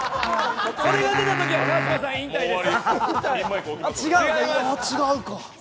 それが出たときは川島さん、引退です。